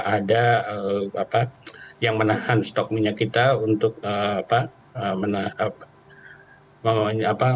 ada apa yang menahan stok minyak kita untuk menahan